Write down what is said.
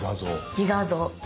自画像。